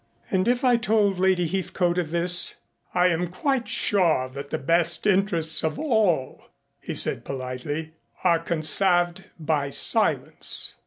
"And if I told Lady Heathcote of this " "I am quite sure that the best interests of all," he said politely, "are conserved by silence."